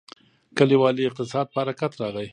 کلیوالي اقتصاد په حرکت راغی.